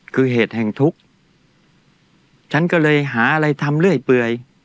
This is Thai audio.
คือเหตุแห่งทุกข์ฉันก็เลยหาอะไรทำเรื่อยเปื่อย